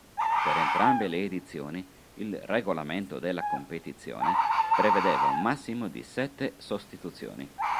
Per entrambe le edizioni, il regolamento della competizione prevedeva un massimo di sette sostituzioni.